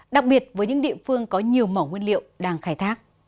đặc biệt với những địa phương có nhiều mỏ nguyên liệu đang khai thác